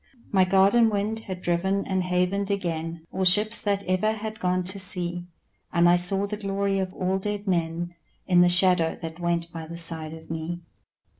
My garden wind had driven and havened again All ships that ever had gone to sea, And I saw the glory of all dead men In the shadow that went by the side of me.